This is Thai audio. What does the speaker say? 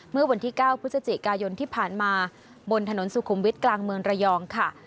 เมื่อวันที่๙พฤศจิกายนที่ผ่านมาบนถนนสุขุมวิทย์กลางเมืองระยองค่ะ